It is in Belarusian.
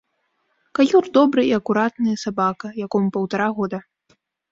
Каюр добры і акуратны сабака, якому паўтара года.